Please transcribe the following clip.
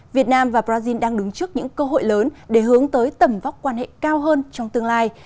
việt nam và brazil đang đứng trước những cơ hội lớn để hướng tới tầm vóc quan hệ cao hơn trong tương lai